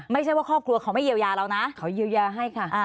ไม่ใช่ว่าครอบครัวเขาไม่เยียวยาเรานะเขาเยียวยาให้ค่ะ